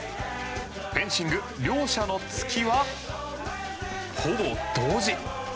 フェンシング、両者の突きはほぼ同時。